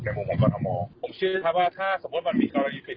ในมุมของกรธมอลผมเชื่อว่าถ้าสมมุติมันมีกรธมอลผิด